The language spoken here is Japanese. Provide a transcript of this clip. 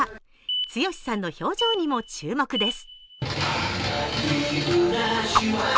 剛さんの表情にも注目です。